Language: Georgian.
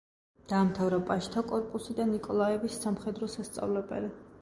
დაამთავრა პაჟთა კორპუსი და ნიკოლაევის სამხედრო სასწავლებელი.